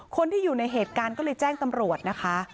คนที่อยู่ในเหตุการณ์ก็เลยแจ้งตำรวจนะคะ